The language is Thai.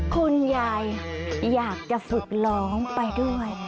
คุณยายอยากจะฝึกร้องไปด้วย